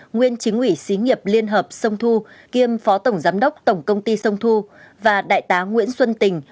nguyên chính ủy xí nghiệp liên hợp sông thu kiêm phó tổng giám đốc tổng công ty sông thu và đại tá nguyễn xuân tình